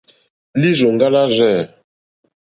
Lírzòŋɡá lârzɛ̂.